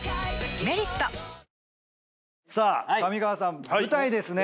「メリット」さあ上川さん舞台ですね。